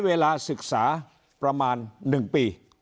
เวลาศึกษาประมาณ๑ปี